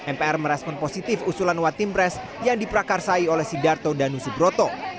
mpr merespon positif usulan one team press yang diprakarsai oleh sidarto dan usubroto